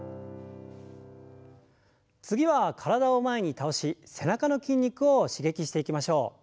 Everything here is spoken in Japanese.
次は体を前に倒し背中の筋肉を刺激していきましょう。